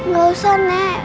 gak usah nek